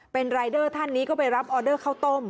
เป็นรายเดอร์ท่านนี้ก็ไปรับออเดอร์ข้าวต้ม